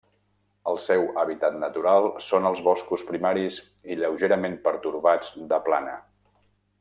El seu hàbitat natural són els boscos primaris i lleugerament pertorbats de plana.